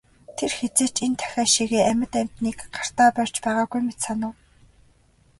Тэр хэзээ ч энэ тахиа шигээ амьд амьтныг гартаа барьж байгаагүй мэт санав.